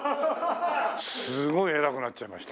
すごい偉くなっちゃいました。